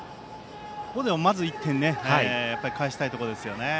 ここではまず１点を返したいところですね。